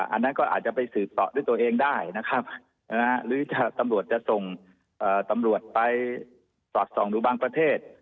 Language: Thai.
อันนั้นก็อาจจะไปสืบต่อด้วยตัวเองได้นะครับหรือตำรวจจะส่งตำรวจไปสอดส่องดูบางประเทศ